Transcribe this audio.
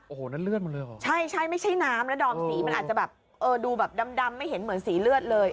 โอ้โหนั่นเลือดหรอใช่ไม่ใช่น้ำแล้วดอมสีมันอาจจะแบบดูแบบดำไม่เห็นเหมือนสีเลือดเลย